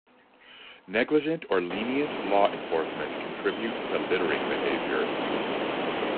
Negligent or lenient law enforcement contributes to littering behavior.